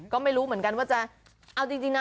ก็ไม่รู้เหมือนกันว่าจะเอาจริงนะ